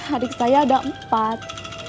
adik saya ada empat